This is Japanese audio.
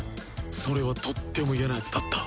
それはとっても嫌なやつだった